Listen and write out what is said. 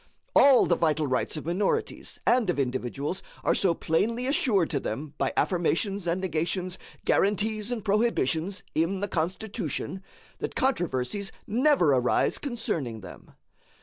All the vital rights of minorities and of individuals are so plainly assured to them by affirmations and negations, guaranties and prohibitions, in the Constitution, that controversies never arise concerning them.